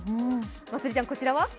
まつりちゃん、こちらは？